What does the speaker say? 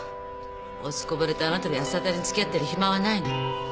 落ちこぼれたあなたの八つ当たりに付き合ってる暇はないの。